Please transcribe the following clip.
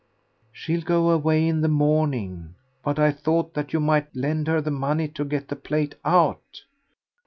"She'll go away in the morning. But I thought that you might lend her the money to get the plate out."